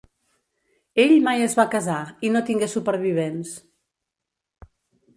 Ell mai es va casar i no tingué supervivents.